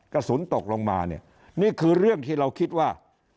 กระสุนตกลงมาเนี่ยนี่คือเรื่องที่เราคิดว่า